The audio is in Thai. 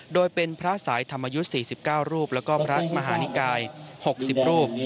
โดยเป็นพระสายธรรมยุทธ์๔๙รูปแล้วก็พระมหานิกาย๖๐รูป